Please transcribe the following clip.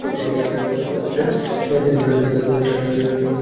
তীর্থ যাত্রীরা তাদের Winchester rifle দিয়ে ঝোপের মধ্যে গুলি করে।